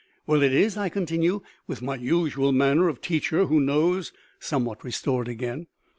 "Well it is," I continue, with my usual manner of teacher who knows somewhat restored again.